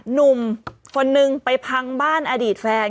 หนุ่มคนนึงไปพังบ้านอดีตแฟน